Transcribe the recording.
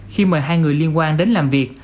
khi mời hai người liên quan đến làm việc